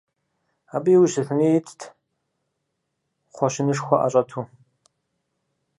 Абы иужь Сэтэней итт, кхъуэщынышхуэ ӏэщӏэту.